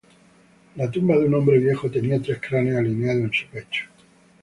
La tumba de un hombre viejo tenía tres cráneos alineados en su pecho.